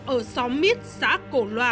ở xóm mít xã cổ loa